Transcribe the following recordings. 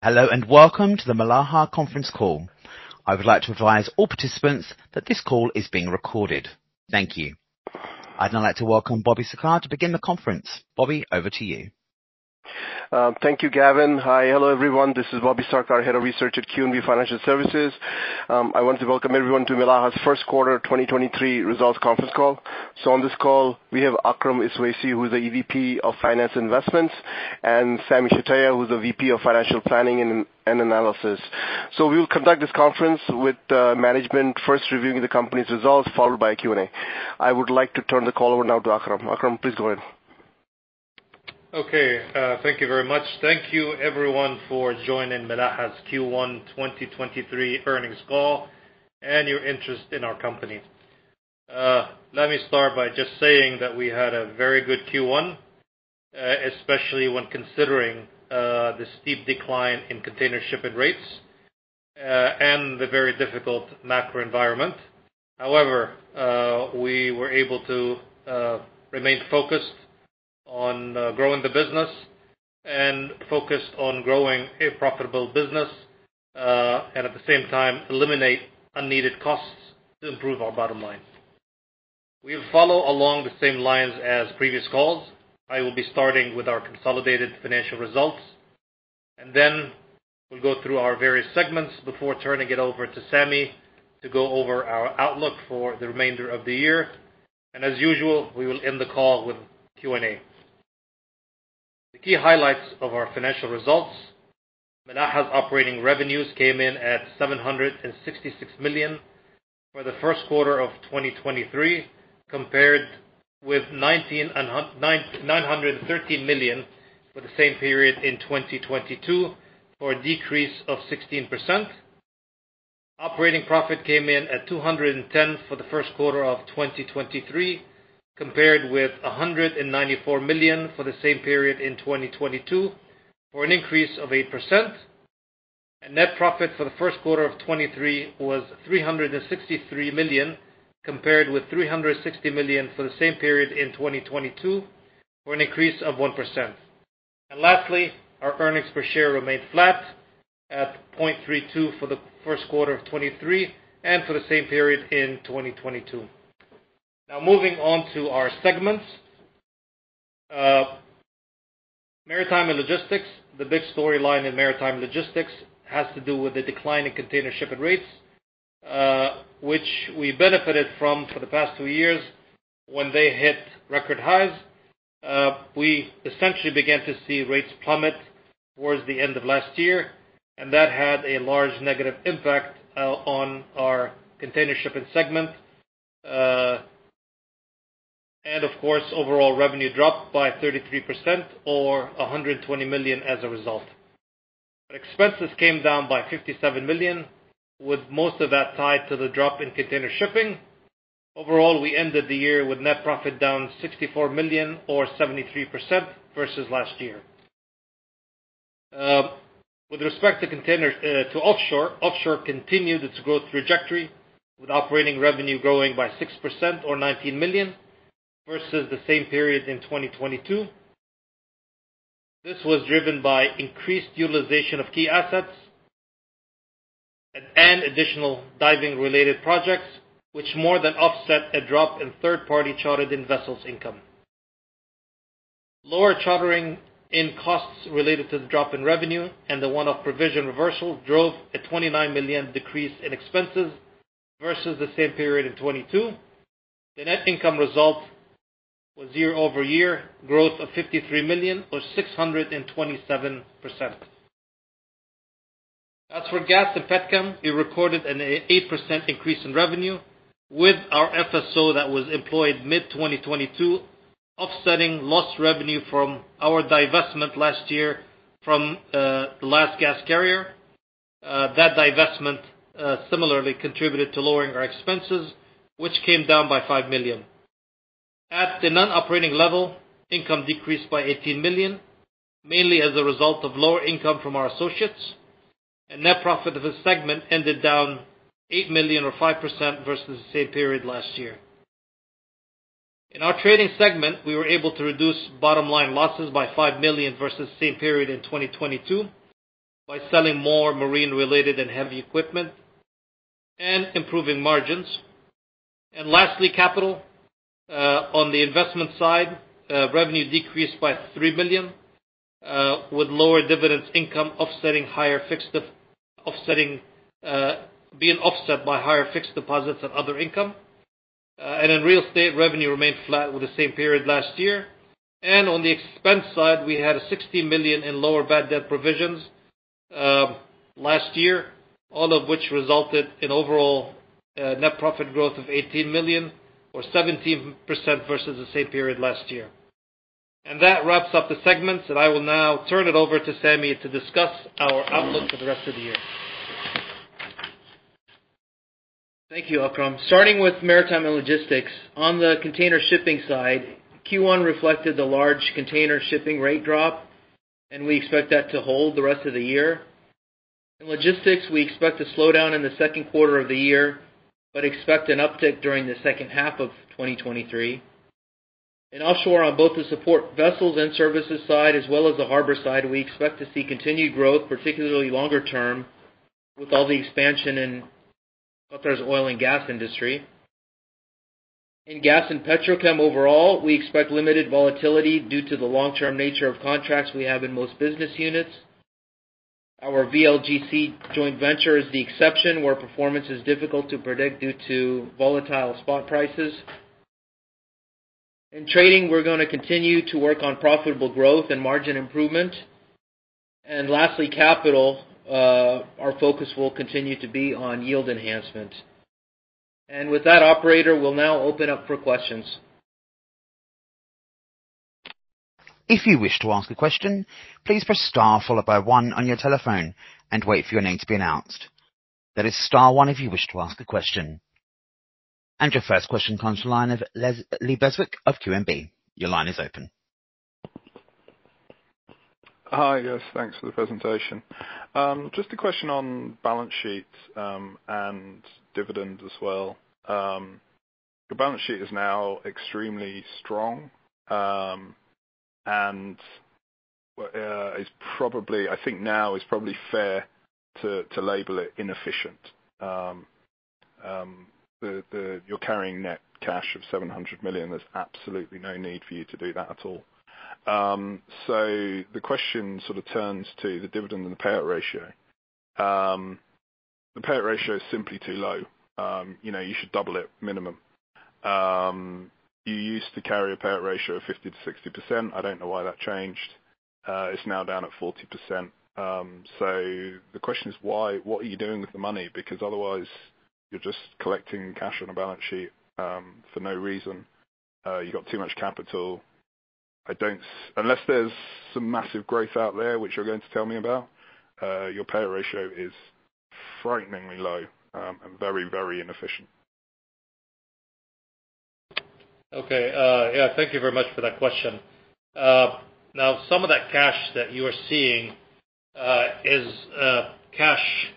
Hello and welcome to the Milaha conference call. I would like to advise all participants that this call is being recorded. Thank you. I'd now like to welcome Bobby Sarkar to begin the conference. Bobby, over to you. Thank you, Gavin. Hi. Hello, everyone. This is Bobby Sarkar, Head of Research at QNB Financial Services. I want to welcome everyone to Milaha's first quarter 2023 results conference call. On this call, we have Akram Iswaisi, who is the EVP of Finance Investments, and Sami Shtayyeh, who's the VP of Financial Planning and Analysis. We will conduct this conference with management first reviewing the company's results, followed by a Q&A. I would like to turn the call over now to Akram. Akram, please go ahead. Okay. Thank you very much. Thank you everyone for joining Milaha's Q1 2023 earnings call and your interest in our company. Let me start by just saying that we had a very good Q1, especially when considering the steep decline in container shipping rates and the very difficult macro environment. However, we were able to remain focused on growing the business and focused on growing a profitable business and at the same time eliminate unneeded costs to improve our bottom line. We'll follow along the same lines as previous calls. I will be starting with our consolidated financial results and then we'll go through our various segments before turning it over to Sami to go over our outlook for the remainder of the year. As usual, we will end the call with Q&A. The key highlights of our financial results, Milaha's operating revenues came in at 766 million for first quarter 2023, compared with 913 million for the same period in 2022, for a decrease of 16%. Operating profit came in at 210 million for Q1 2023, compared with 194 million for the same period in 2022, for an increase of 8%. Net profit for first quarter 2023 was 363 million, compared with 360 million for the same period in 2022, for an increase of 1%. Lastly, our Earnings per share remained flat at 0.32 for first quarter 2023 and for the same period in 2022. Now moving on to our segments. Maritime and logistics. The big storyline in maritime logistics has to do with the decline in container shipping rates, which we benefited from for the past two years when they hit record highs. We essentially began to see rates plummet towards the end of last year, and that had a large negative impact on our container shipping segment. Of course, overall revenue dropped by 33% or 120 million as a result. Expenses came down by 57 million, with most of that tied to the drop in container shipping. Overall, we ended the year with net profit down 64 million or 73% versus last year. With respect to container, to offshore continued its growth trajectory, with operating revenue growing by 6% or 19 million versus the same period in 2022. This was driven by increased utilization of key assets and additional diving-related projects, which more than offset a drop in third-party chartered in vessels income. Lower chartering in costs related to the drop in revenue and the one-off provision reversal drove a 29 million decrease in expenses versus the same period in 2022. The net income result was year-over-year growth of 53 million, or 627%. For Gas and Petrochem, we recorded an 8% increase in revenue, with our FSO that was employed mid-2022 offsetting lost revenue from our divestment last year from the last gas carrier. That divestment similarly contributed to lowering our expenses, which came down by 5 million. At the non-operating level, income decreased by 18 million, mainly as a result of lower income from our associates. Net profit of the segment ended down 8 million or 5% versus the same period last year. In our trading segment, we were able to reduce bottom line losses by 5 million versus the same period in 2022 by selling more marine-related and heavy equipment and improving margins. Lastly, capital. On the investment side, revenue decreased by 3 million, with lower dividends income offsetting higher fixed deposits and other income. In real estate, revenue remained flat with the same period last year. On the expense side, we had 16 million in lower bad debt provisions last year, all of which resulted in overall net profit growth of 18 million or 17% versus the same period last year. That wraps up the segments, I will now turn it over to Sami to discuss our outlook for the rest of the year. Thank you, Akram. Starting with maritime and logistics. On the container shipping side, Q1 reflected the large container shipping rate drop. We expect that to hold the rest of the year. In logistics, we expect a slowdown in the second quarter of the year, but expect an uptick during the second half of 2023. In offshore on both the support vessels and services side, as well as the harbor side, we expect to see continued growth, particularly longer term, with all the expansion in Qatar's oil and gas industry. In Gas & Petrochem overall, we expect limited volatility due to the long-term nature of contracts we have in most business units. Our VLGC joint venture is the exception, where performance is difficult to predict due to volatile spot prices. In trading, we're gonna continue to work on profitable growth and margin improvement. Lastly, capital, our focus will continue to be on yield enhancement. With that, operator, we'll now open up for questions. If you wish to ask a question, please press star followed by one on your telephone and wait for your name to be announced. That is star one if you wish to ask a question. Your first question comes to line of Lee Beswick of QNB. Your line is open. Hi. Yes, thanks for the presentation. Just a question on balance sheets and dividends as well. The balance sheet is now extremely strong and is probably, I think now it's probably fair to label it inefficient. You're carrying net cash of 700 million. There's absolutely no need for you to do that at all. The question sort of turns to the dividend and the payout ratio. The payout ratio is simply too low. You know, you should double it minimum. You used to carry a payout ratio of 50%-60%. I don't know why that changed. It's now down at 40%. The question is why? What are you doing with the money? Because otherwise you're just collecting cash on a balance sheet for no reason. You got too much capital. Unless there's some massive growth out there, which you're going to tell me about, your payout ratio is frighteningly low, and very inefficient. Okay. Yeah, thank you very much for that question. Now, some of that cash that you are seeing is cash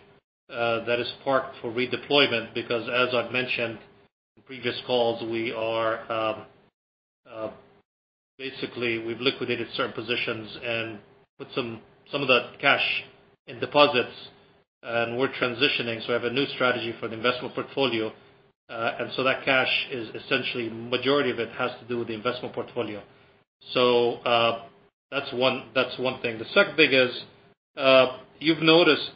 that is parked for redeployment because as I've mentioned in previous calls, we are basically we've liquidated certain positions and put some of that cash in deposits and we're transitioning. We have a new strategy for the investment portfolio. That cash is essentially majority of it has to do with the investment portfolio. That's one thing. The second thing is, you've noticed,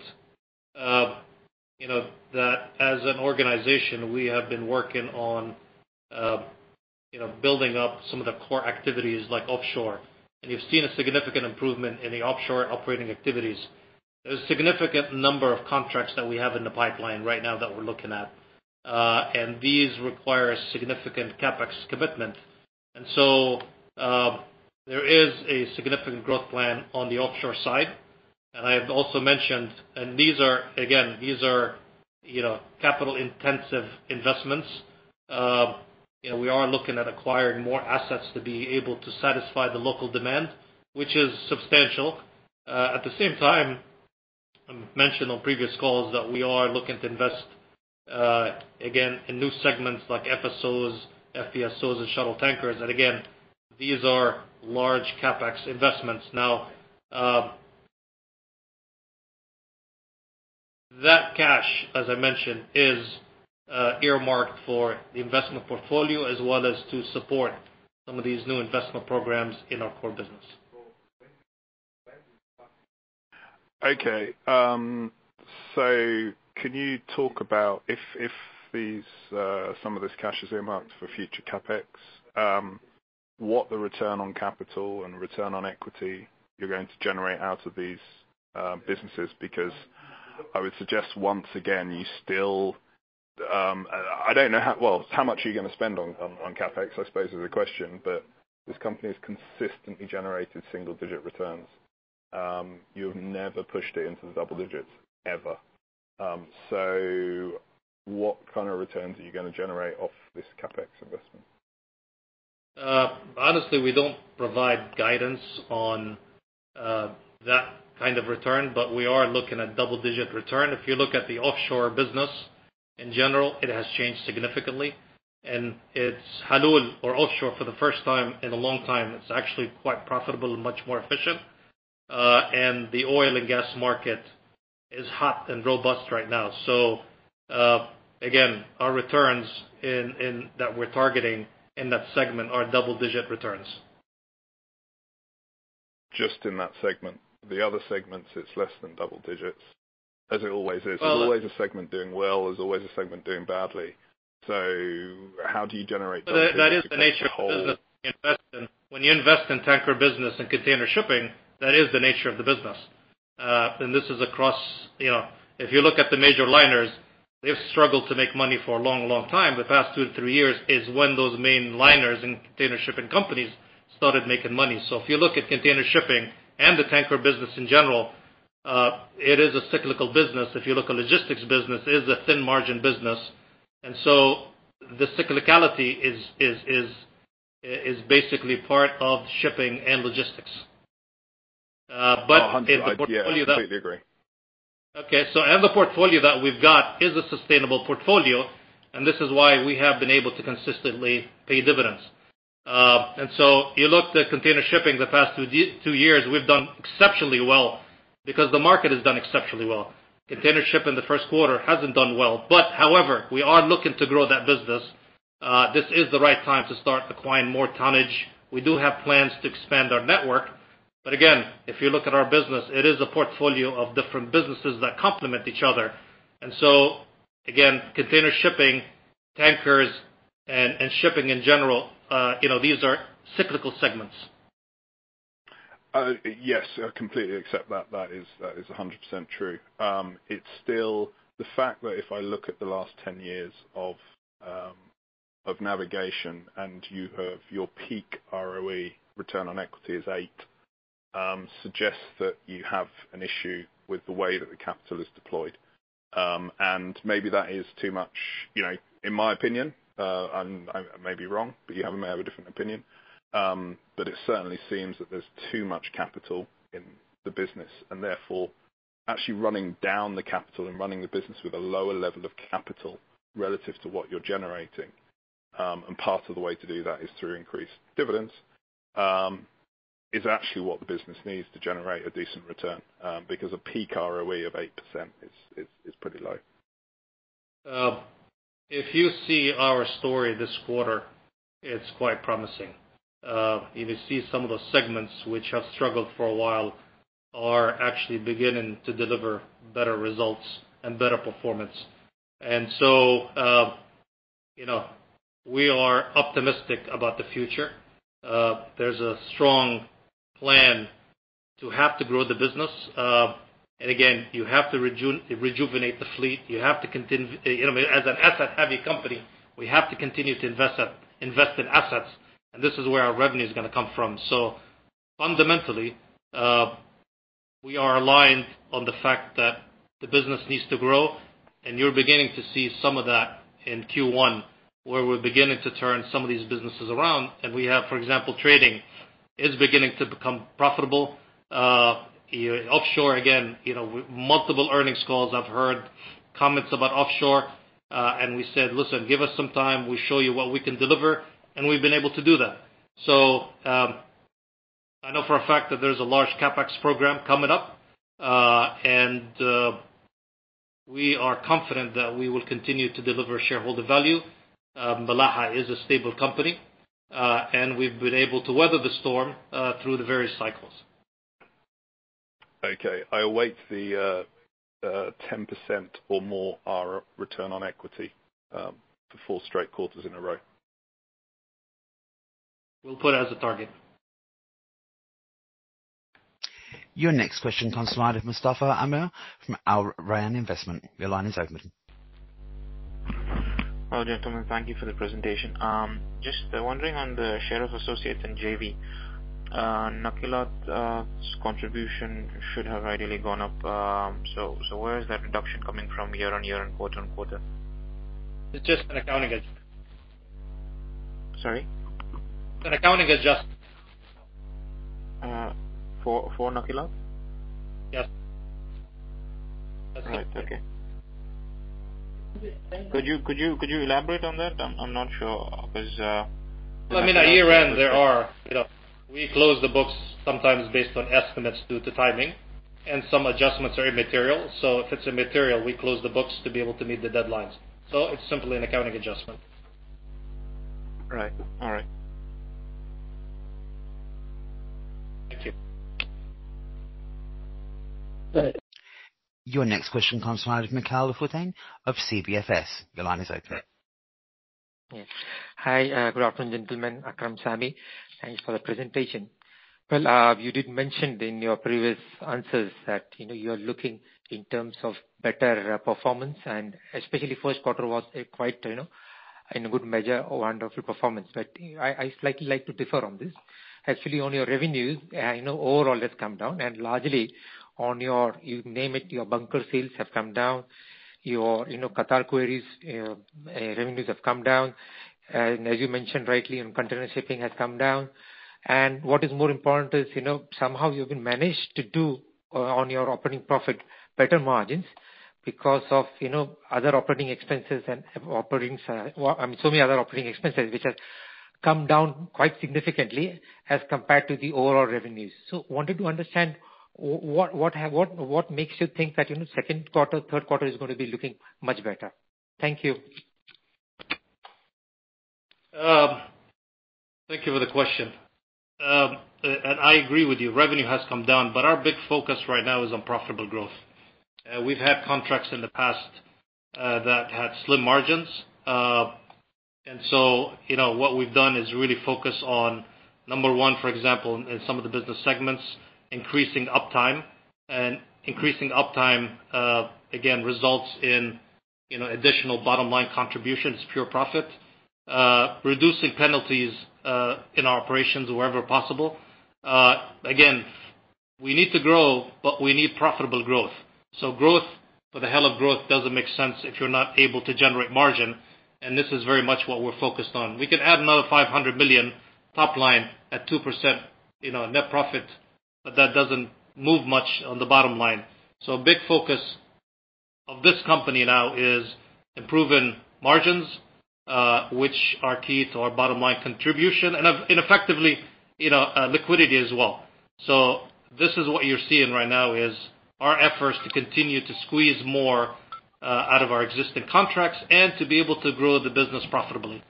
you know, that as an organization we have been working on, you know, building up some of the core activities like offshore. You've seen a significant improvement in the offshore operating activities. There's a significant number of contracts that we have in the pipeline right now that we're looking at. These require significant CapEx commitment. There is a significant growth plan on the offshore side. I've also mentioned, and these are, again, these are, you know, capital-intensive investments. You know, we are looking at acquiring more assets to be able to satisfy the local demand, which is substantial. At the same time, I've mentioned on previous calls that we are looking to invest, again in new segments like FSOs, FPSOs and shuttle tankers. Again, these are large CapEx investments. Now, that cash, as I mentioned, is earmarked for the investment portfolio as well as to support some of these new investment programs in our core business. Okay. Can you talk about if these, some of this cash is earmarked for future CapEx, what the return on capital and return on equity you're going to generate out of these businesses? I would suggest once again, you still, how much are you gonna spend on CapEx, I suppose is the question, but this company has consistently generated single-digit returns. You've never pushed it into the double-digits, ever. What kind of returns are you gonna generate off this CapEx investment? Honestly, we don't provide guidance on that kind of return, but we are looking at double-digit return. If you look at the offshore business in general, it has changed significantly. It's Halul or offshore for the first time in a long time, it's actually quite profitable and much more efficient. And the oil and gas market is hot and robust right now. Again, our returns in that we're targeting in that segment are double-digit returns. Just in that segment. The other segments, it's less than double digits, as it always is. Well, There's always a segment doing well, there's always a segment doing badly. how do you generate-. That is the nature of business you invest in. When you invest in tanker business and container shipping, that is the nature of the business. This is across, you know, if you look at the major liners, they've struggled to make money for a long, long time. The past two to three years is when those main liners and container shipping companies started making money. If you look at container shipping and the tanker business in general, it is a cyclical business. If you look at logistics business, it is a thin margin business. The cyclicality is basically part of shipping and logistics. In the portfolio I completely agree. Okay. The portfolio that we've got is a sustainable portfolio, and this is why we have been able to consistently pay dividends. You look at container shipping the past two years, we've done exceptionally well because the market has done exceptionally well. Container shipping in the first quarter hasn't done well. However, we are looking to grow that business. This is the right time to start acquiring more tonnage. We do have plans to expand our network. Again, if you look at our business, it is a portfolio of different businesses that complement each other. Again, container shipping, tankers and shipping in general, you know, these are cyclical segments. Yes, I completely accept that. That is, that is 100% true. It's still the fact that if I look at the last 10 years of navigation and you have your peak ROE, return on equity, is eight, suggests that you have an issue with the way that the capital is deployed. Maybe that is too much, you know, in my opinion, and I may be wrong, but you may have a different opinion. It certainly seems that there's too much capital in the business and therefore actually running down the capital and running the business with a lower level of capital relative to what you're generating. Part of the way to do that is through increased dividends, is actually what the business needs to generate a decent return, because a peak ROE of 8% is pretty low. If you see our story this quarter, it's quite promising. If you see some of the segments which have struggled for a while are actually beginning to deliver better results and better performance. You know, we are optimistic about the future. There's a strong plan to have to grow the business. Again, you have to rejuvenate the fleet. You know, as an asset-heavy company, we have to continue to invest in assets, and this is where our revenue is gonna come from. Fundamentally, we are aligned on the fact that the business needs to grow, and you're beginning to see some of that in Q1, where we're beginning to turn some of these businesses around. We have, for example, trading is beginning to become profitable. You know, offshore again, you know, multiple earnings calls I've heard comments about offshore. We said, "Listen, give us some time. We'll show you what we can deliver." We've been able to do that. I know for a fact that there's a large CapEx program coming up. We are confident that we will continue to deliver shareholder value. Milaha is a stable company. We've been able to weather the storm through the various cycles. Okay. I await the 10% or more our return on equity, for four straight quarters in a row. We'll put it as a target. Your next question comes from Mustafa Amer from Al Rayan Investment. Your line is open. Gentlemen, thank you for the presentation. Just wondering on the share of associates in JV. Nakilat, contribution should have ideally gone up. Where is that reduction coming from year-over-year and quarter-on-quarter? It's just an accounting adjustment. Sorry? An accounting adjustment. for Nakilat? Yes. All right. Okay. Could you elaborate on that? I'm not sure 'cause, I mean, at year-end, there are, you know, we close the books sometimes based on estimates due to timing, some adjustments are immaterial. If it's immaterial, we close the books to be able to meet the deadlines. It's simply an accounting adjustment. Right. All right. Thank you. Your next question comes from Mikhail Fuleihan of CBFS. Your line is open. Yes. Hi. good afternoon, gentlemen. Akram, Sami. Thanks for the presentation. Well, you did mention in your previous answers that, you know, you are looking in terms of better, performance, and especially first quarter was a quite, you know, in a good measure, a wonderful performance. I slightly like to differ on this. Actually, on your revenues, I know overall that's come down, and largely on your, you name it, your bunker sales have come down. Your, you know, Qatar Quarries, revenues have come down. As you mentioned rightly, and container shipping has come down. What is more important is, you know, somehow you've been managed to do on your operating profit better margins because of, you know, other operating expenses and operating, well, I mean, so many other operating expenses which have come down quite significantly as compared to the overall revenues. Wanted to understand what makes you think that, you know, second quarter, third quarter is gonna be looking much better? Thank you. Thank you for the question. I agree with you. Revenue has come down, but our big focus right now is on profitable growth. We've had contracts in the past that had slim margins. You know, what we've done is really focus on, number one, for example, in some of the business segments, increasing uptime. Increasing uptime, again, results in, you know, additional bottom line contributions, pure profit. Reducing penalties in our operations wherever possible. Again, we need to grow, but we need profitable growth. Growth for the hell of growth doesn't make sense if you're not able to generate margin. This is very much what we're focused on. We could add another 500 million top line at 2%, you know, net profit, but that doesn't move much on the bottom line. A big focus of this company now is improving margins, which are key to our bottom line contribution and effectively, you know, liquidity as well. This is what you're seeing right now is our efforts to continue to squeeze more out of our existing contracts and to be able to grow the business profitably.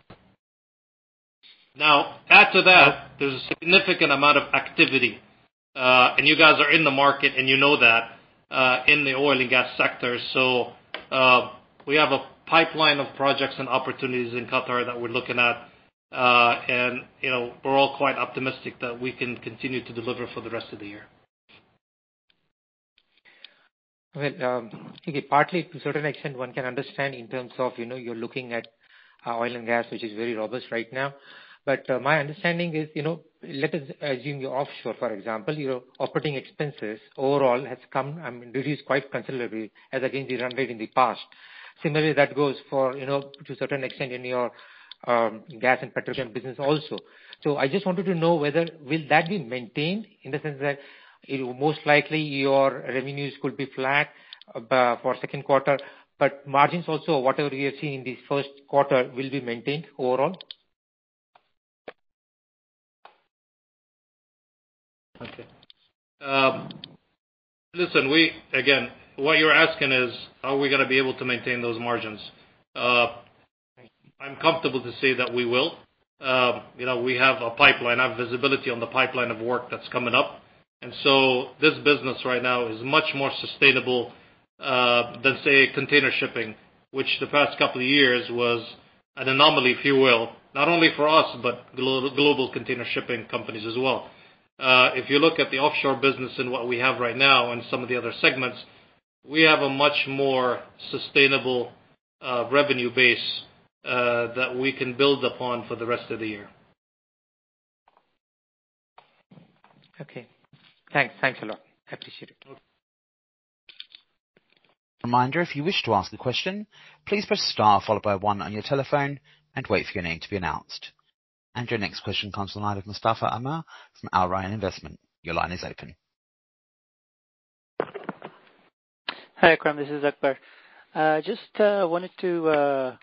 Now, add to that, there's a significant amount of activity, and you guys are in the market and you know that, in the oil and gas sector. We have a pipeline of projects and opportunities in Qatar that we're looking at. And, you know, we're all quite optimistic that we can continue to deliver for the rest of the year. Well, partly to a certain extent, one can understand in terms of, you know, you're looking at oil and gas, which is very robust right now. My understanding is, you know, let us assume you're offshore, for example, your operating expenses overall has come, reduced quite considerably as against your run rate in the past. Similarly, that goes for, you know, to a certain extent in your Gas and Petrochem business also. I just wanted to know whether will that be maintained in the sense that most likely your revenues could be flat for second quarter, but margins also, whatever you're seeing in the first quarter will be maintained overall? Okay. Listen, again, what you're asking is, are we gonna be able to maintain those margins? I'm comfortable to say that we will. You know, we have a pipeline. I have visibility on the pipeline of work that's coming up. This business right now is much more sustainable, than, say, container shipping, which the past couple of years was an anomaly, if you will, not only for us, but global container shipping companies as well. If you look at the offshore business and what we have right now and some of the other segments, we have a much more sustainable, revenue base, that we can build upon for the rest of the year. Okay. Thanks. Thanks a lot. Appreciate it. Reminder, if you wish to ask a question, please press star followed by one on your telephone and wait for your name to be announced. Your next question comes from Mustafa Amer from Al Rayan Investment. Your line is open. Hi, Akram. This is Akber. just wanted to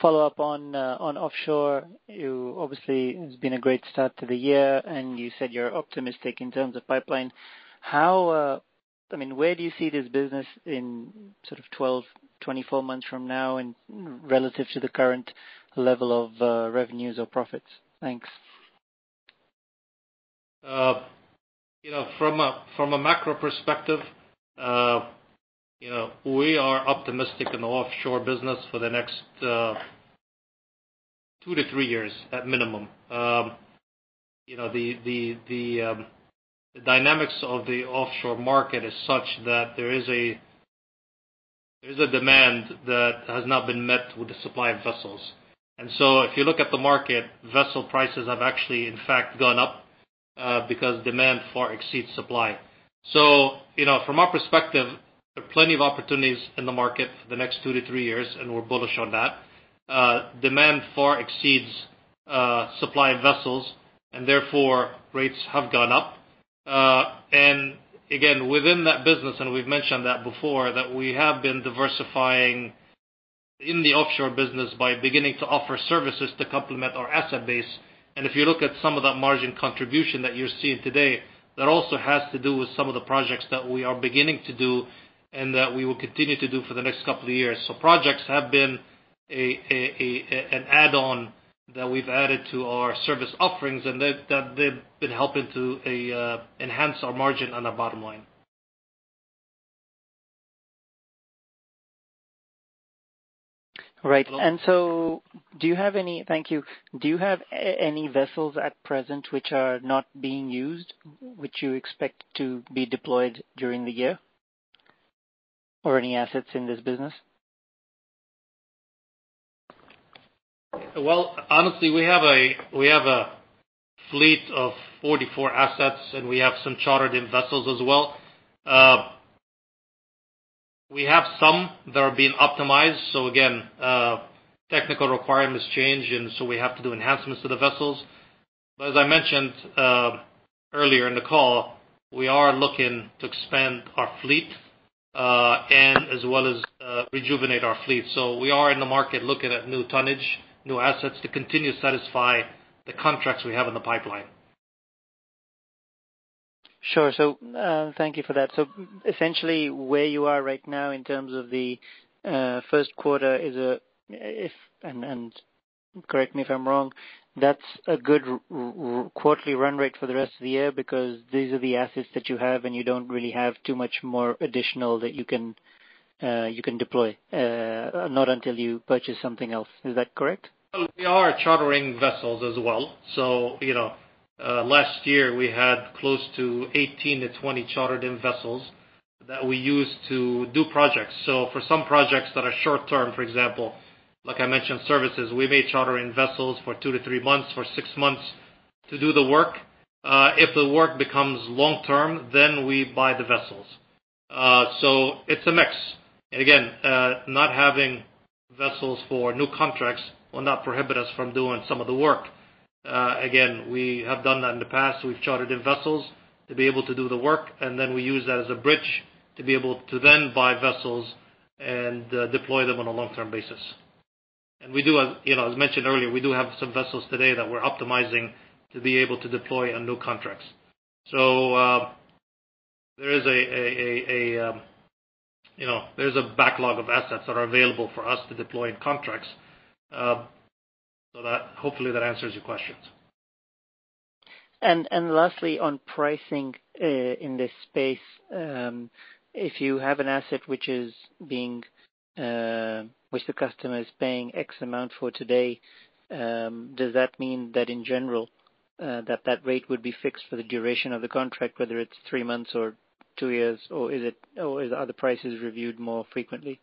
follow up on on offshore. You obviously it's been a great start to the year, and you said you're optimistic in terms of pipeline. How, I mean, where do you see this business in sort of 12, 24 months from now and relative to the current level of revenues or profits? Thanks. You know, from a, from a macro perspective, you know, we are optimistic in the offshore business for the next two to three years at minimum. You know, the, the dynamics of the offshore market is such that there is a, there is a demand that has not been met with the supply of vessels. If you look at the market, vessel prices have actually, in fact, gone up because demand far exceeds supply. You know, from our perspective, there are plenty of opportunities in the market for the next two to three years, and we're bullish on that. Demand far exceeds supply of vessels, and therefore rates have gone up. Again, within that business, and we've mentioned that before, that we have been diversifying in the offshore business by beginning to offer services to complement our asset base. If you look at some of that margin contribution that you're seeing today, that also has to do with some of the projects that we are beginning to do and that we will continue to do for the next couple of years. Projects have been an add-on that we've added to our service offerings, and that they've been helping to enhance our margin on our bottom line. Right. Do you have any... Thank you. Do you have any vessels at present which are not being used, which you expect to be deployed during the year or any assets in this business? Well, honestly, we have a fleet of 44 assets, and we have some chartered in vessels as well. We have some that are being optimized. Again, technical requirements change, and so we have to do enhancements to the vessels. As I mentioned, earlier in the call, we are looking to expand our fleet, and as well as, rejuvenate our fleet. We are in the market looking at new tonnage, new assets to continue to satisfy the contracts we have in the pipeline. Sure. Thank you for that. Essentially, where you are right now in terms of the first quarter is if and correct me if I'm wrong, that's a good quarterly run rate for the rest of the year because these are the assets that you have, and you don't really have too much more additional that you can deploy, not until you purchase something else. Is that correct? We are chartering vessels as well. you know, last year we had close to 18-20 chartered in vessels that we use to do projects. For some projects that are short-term, for example, like I mentioned, services, we may charter in vessels for two to three months or six months to do the work. If the work becomes long-term, then we buy the vessels. it's a mix. Again, not having vessels for new contracts will not prohibit us from doing some of the work. Again, we have done that in the past. We've chartered in vessels to be able to do the work, and then we use that as a bridge to be able to then buy vessels and deploy them on a long-term basis. We do have... You know, as mentioned earlier, we do have some vessels today that we're optimizing to be able to deploy on new contracts. There is a, you know, there's a backlog of assets that are available for us to deploy in contracts. Hopefully, that answers your questions. Lastly, on pricing, in this space, if you have an asset which is being, which the customer is paying X amount for today, does that mean that in general, that that rate would be fixed for the duration of the contract, whether it's three months or two years, or are the prices reviewed more frequently?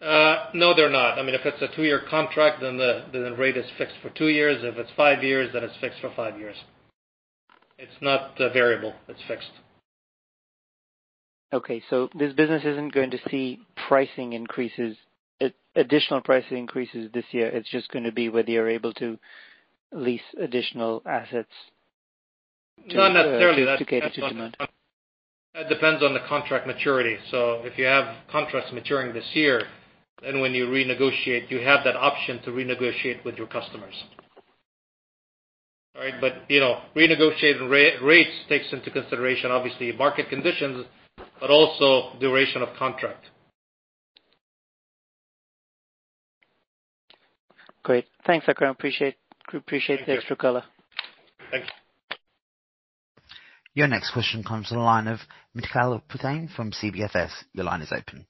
No, they're not. I mean, if it's a two-year contract, then the rate is fixed for two years. If it's five years, then it's fixed for five years. It's not variable, it's fixed. Okay, this business isn't going to see pricing increases, additional pricing increases this year. It's just gonna be whether you're able to lease additional assets. Not necessarily. That's. To cater to demand. That depends on the contract maturity. If you have contracts maturing this year, when you renegotiate, you have that option to renegotiate with your customers. All right? You know, renegotiating rates takes into consideration, obviously, market conditions, but also duration of contract. Great. Thanks, Akram. Appreciate the extra color. Thank you. Your next question comes from the line of Mikhail Fuleihan from CBFS. Your line is open.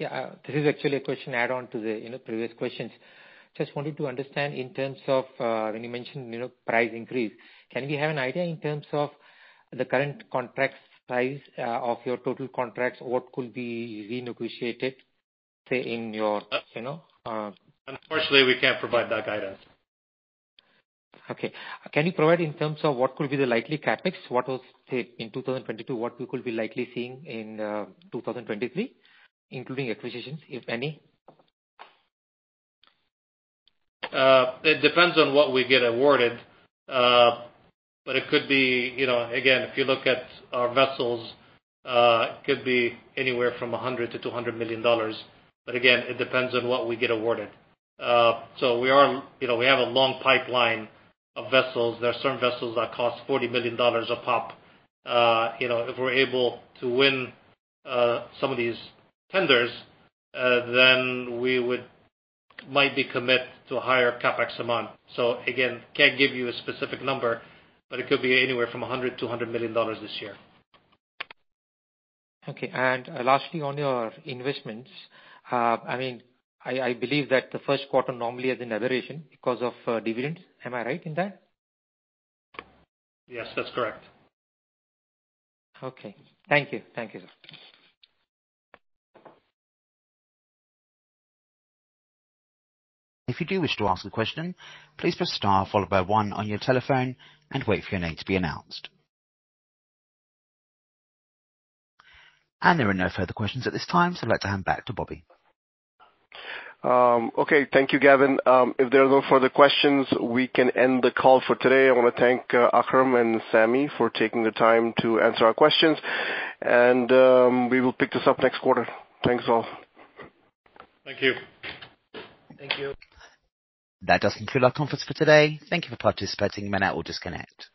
Yeah. This is actually a question add on to the, you know, previous questions. Just wanted to understand in terms of when you mentioned, you know, price increase, can we have an idea in terms of the current contract size of your total contracts? What could be renegotiated, say, in your, you know? Unfortunately, we can't provide that guidance. Okay. Can you provide in terms of what could be the likely CapEx? What was, say, in 2022, what we could be likely seeing in 2023, including acquisitions, if any? It depends on what we get awarded. It could be, you know, again, if you look at our vessels, it could be anywhere from $100 million-$200 million. Again, it depends on what we get awarded. We are, you know, we have a long pipeline of vessels. There are certain vessels that cost $40 million a pop. You know, if we're able to win some of these tenders, then we would might be commit to a higher CapEx amount. Again, can't give you a specific number, but it could be anywhere from $100 million-$200 million this year. Okay. Lastly, on your investments, I mean, I believe that the first quarter normally is an aberration because of dividends. Am I right in that? Yes, that's correct. Okay. Thank you. Thank you. If you do wish to ask a question, please press star followed by one on your telephone and wait for your name to be announced. There are no further questions at this time. I'd like to hand back to Bobby. Okay. Thank you, Gavin. If there are no further questions, we can end the call for today. I wanna thank, Akram and Sami for taking the time to answer our questions. We will pick this up next quarter. Thanks, all. Thank you. Thank you. That does conclude our conference for today. Thank you for participating. You may now disconnect.